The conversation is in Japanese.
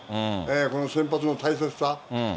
この先発の大切さ。